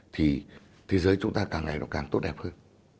thì thế giới chúng ta càng ngày nó càng tốt đẹp hơn